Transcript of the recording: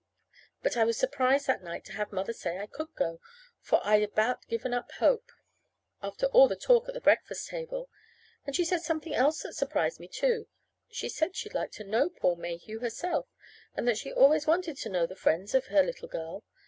But I was surprised that night to have Mother say I could go, for I'd about given up hope, after all that talk at the breakfast table. And she said something else that surprised me, too. She said she'd like to know Paul Mayhew herself; that she always wanted to know the friends of her little girl.